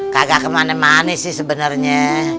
kagak kemana mana sih sebenarnya